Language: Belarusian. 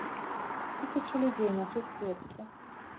Тысячы людзей нясуць кветкі.